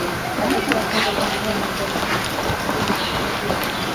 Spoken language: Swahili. wakati wa kombe la dunia mwaka elfu mbili na kumi